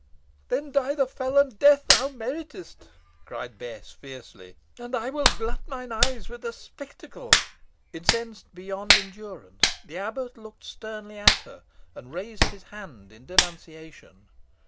"Then die the felon death thou meritest," cried Bess, fiercely; "and I will glut mine eyes with the spectacle." Incensed beyond endurance, the abbot looked sternly at her, and raised his hand in denunciation.